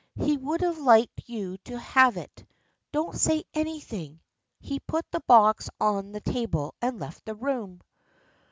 He would have liked you to have it. Don't say anything." He put the box on the table and left the room.